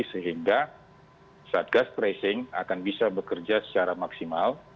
sehingga satgas tracing akan bisa bekerja secara maksimal